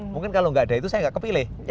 mungkin kalau tidak ada itu saya tidak kepilih